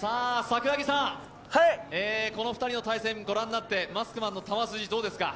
この２人の対戦ご覧になってマスクマンの球筋いかがですか？